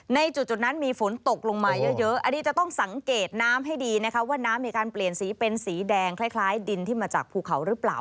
ในจุดนั้นมีฝนตกลงมาเยอะอันนี้จะต้องสังเกตน้ำให้ดีนะคะว่าน้ำมีการเปลี่ยนสีเป็นสีแดงคล้ายดินที่มาจากภูเขาหรือเปล่า